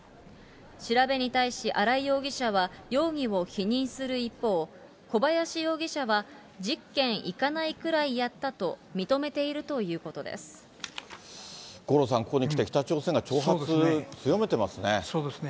調べに対し、荒井容疑者は容疑を否認する一方、小林容疑者は１０件いかないくらいやったと認めているということ五郎さん、ここに来て北朝鮮が挑発、強めてますね。